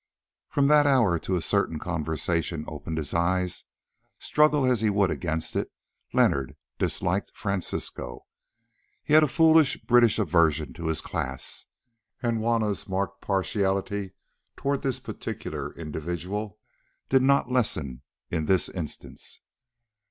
From that hour till a certain conversation opened his eyes, struggle as he would against it, Leonard disliked Francisco. He had a foolish British aversion to his class, and Juanna's marked partiality towards this particular individual did not lessen it in this instance.